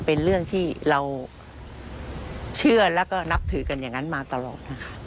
เป็นเรื่องที่เราเชื่อแล้วก็นับถือกันอย่างนั้นมาตลอดนะคะ